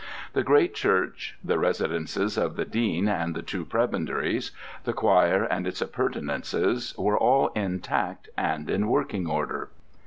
The great church, the residences of the dean and the two prebendaries, the choir and its appurtenances, were all intact and in working order.